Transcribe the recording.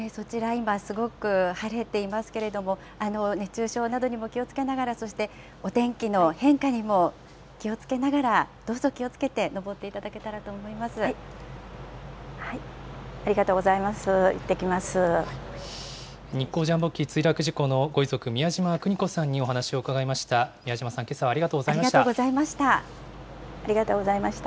今、すごく晴れていますけれども、熱中症などにも気をつけながら、そして、お天気の変化にも気をつけながら、どうぞ気をつけて登っていただけたらと思ありがとうございます。